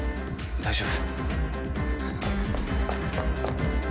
大丈夫？